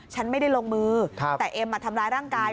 ฉันไม่ได้ลงมือแต่เอ็มมาทำร้ายร่างกาย